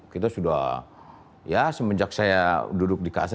kita sudah ya semenjak saya duduk di kasa